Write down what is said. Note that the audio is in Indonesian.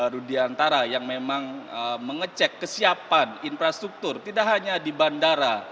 rudiantara yang memang mengecek kesiapan infrastruktur tidak hanya di bandara